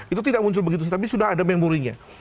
itu tidak muncul begitu tapi sudah ada memorinya